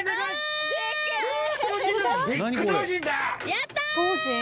やった！